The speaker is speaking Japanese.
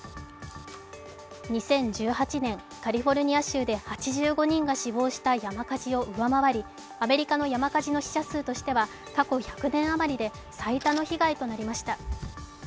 ２０１８年、カリフォルニア州で８５人が死亡した山火事を上回り、アメリカの山火事の死者数としては過去１００年余りで最多の被害となりました。